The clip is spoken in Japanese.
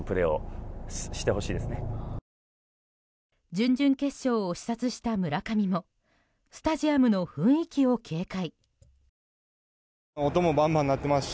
準々決勝を視察した村上もスタジアムの雰囲気を警戒。